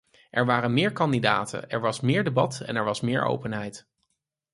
Er waren meer kandidaten, er was meer debat en er was meer openheid.